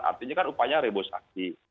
artinya kan upaya reboisasi